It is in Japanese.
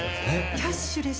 キャッシュレス。